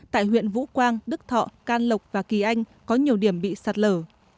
tại huyện vũ quang đức thọ can lộc và kỳ anh có nhiều điểm bị sạt lở